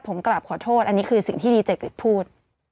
ผมกราบขอโทษอันนี้คือสิ่งที่ดีเจกฤทธิพูด